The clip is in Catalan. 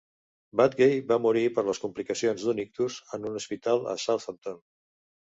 Badgey va morir per les complicacions d'un ictus en un hospital a Southampton.